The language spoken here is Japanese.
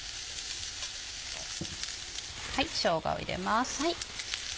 しょうがを入れます。